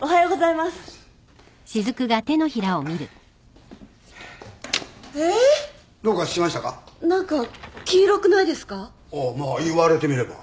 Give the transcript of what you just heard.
まあ言われてみれば。